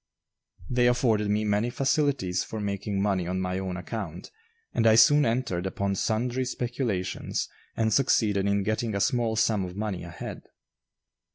They afforded me many facilities for making money on my own account and I soon entered upon sundry speculations and succeeded in getting a small sum of money ahead.